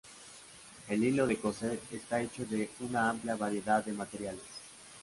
El hilo de coser está hecho de una amplia variedad de materiales.